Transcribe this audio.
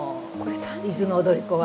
「伊豆の踊子」は。